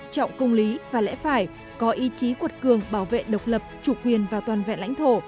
trọng công lý và lẽ phải có ý chí quật cường bảo vệ độc lập chủ quyền và toàn vẹn lãnh thổ